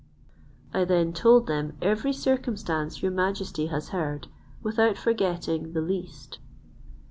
I then told them every circumstance your majesty has heard, without forgetting the least.